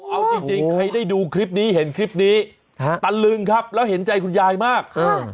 เอาจริงจริงใครได้ดูคลิปนี้เห็นคลิปนี้ตะลึงครับแล้วเห็นใจคุณยายมาก